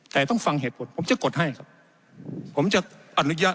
แต่ต้องฟังเหตุผลผมจะกดให้ครับ